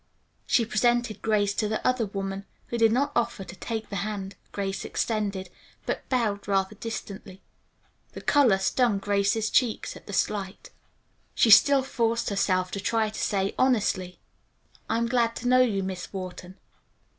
She presented Grace to the other woman, who did not offer to take the hand Grace extended, but bowed rather distantly. The color stung Grace's cheeks at the slight. Still she forced herself to try to say honestly, "I am glad to know you, Miss Wharton."